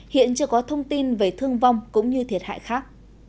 hiện chưa có thông tin về thương vong cũng như thiệt hại khác